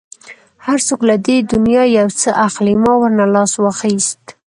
هر څوک له دې دنیا یو څه اخلي، ما ورنه لاس واخیست.